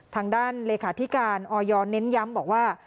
ทางด้านเลขาธิการออยเน้นย้ำบอกว่า